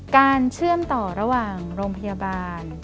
เชื่อมต่อระหว่างโรงพยาบาล